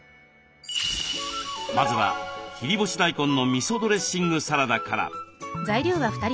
まずは切り干し大根のみそドレッシングサラダから。